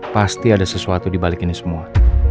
pasti ada sesuatu dibalik ini semua